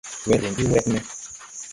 Wɛr rǐŋ ɓi wrɛg me.